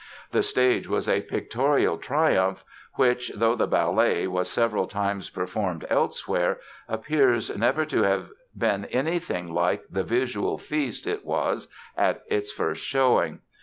The staging was a pictorial triumph which, though the ballet was several times performed elsewhere, appears never to have been anything like the visual feast it was at its first showing.